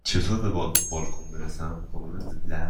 چطور به بالکن برسم؟